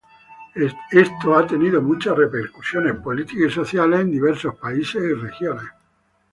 Esto ha tenido muchas repercusiones políticas y sociales en diversos países y regiones.